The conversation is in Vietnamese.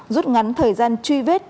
rút ngắn thời gian truy vết